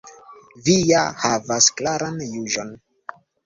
Vi ja havas klaran juĝon.